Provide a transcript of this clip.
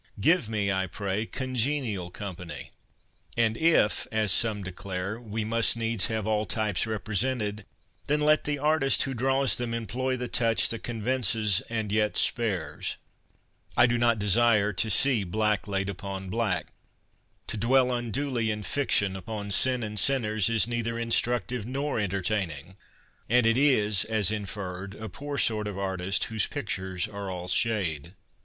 Give me, I pray, congenial company. And if, as some declare, we must needs have all types represented, then let the artist who draws them employ the touch that con vinces and yet spares. I do not desire to see black 60 CONFESSIONS OF A BOOK LOVER laid upon black. To dwell unduly in fiction upon sin and sinners is neither instructive nor entertaining, and it is, as inferred, a poor sort of artist whose pictures are all shade.